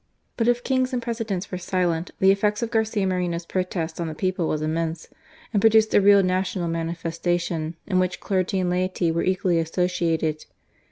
But if Kings and Presidents were silent, the effects of Garcia Moreno's protest on the people was immense, and produced a real national manifesta tion, in which clergy and laity were equally asso ciated.